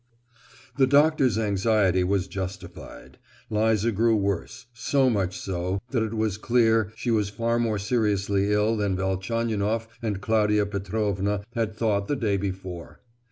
The doctor's anxiety was justified; Liza grew worse, so much so that it was clear she was far more seriously ill than Velchaninoff and Claudia Petrovna had thought the day before.